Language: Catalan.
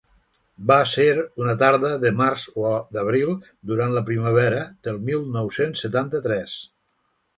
Va ser una tarda de març o d’abril, durant la primavera del mil nou-cents setanta-tres.